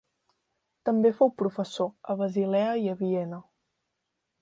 També fou professor a Basilea i a Viena.